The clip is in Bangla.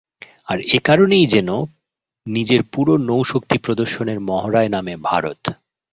আর এ কারণেই যেন নিজের পুরো নৌশক্তি প্রদর্শনের মহড়ায় নামে ভারত।